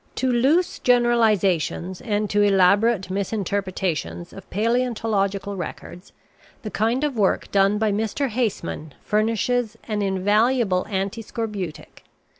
To loose generalizations, and to elaborate misinterpretations of paleontological records, the kind of work done by Mr. Haseman furnishes an invaluable antiscorbutic.